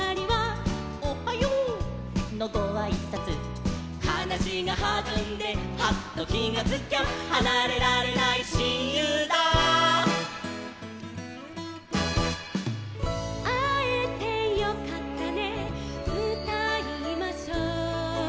「おはよう！のごあいさつ」「はなしがはずんでハッときがつきゃ」「はなれられないしんゆうだ」「あえてよかったねうたいましょう」